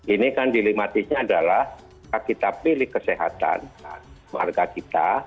ini kan dilematisnya adalah kita pilih kesehatan warga kita